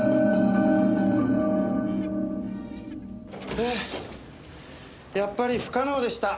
はぁやっぱり不可能でした。